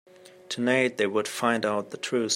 Tonight, they would find out the truth.